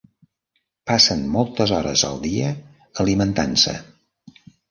Passen moltes hores al dia alimentant-se.